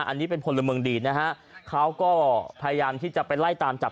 อันนี้เป็นพลเมืองดีนะฮะเขาก็พยายามที่จะไปไล่ตามจับ